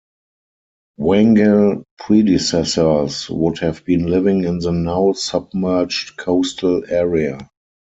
Wangal predecessors would have been living in the now-submerged coastal area.